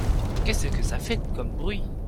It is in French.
Qu'est-ce que ça fait comme bruit !